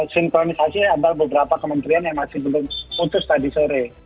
sinkronisasi ada beberapa kementerian yang masih belum putus tadi sore